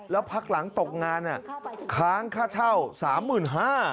แล้วพักหลังตกงานอ่ะค้างค่าเช่าสามหมื่นห้า